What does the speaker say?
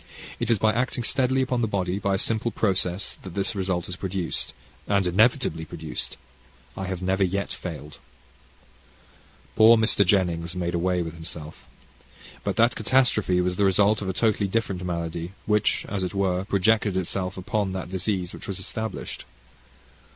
It is by acting steadily upon the body, by a simple process, that this result is produced and inevitably produced I have never yet failed. Poor Mr. Jennings made away with himself. But that catastrophe was the result of a totally different malady, which, as it were, projected itself upon the disease which was established.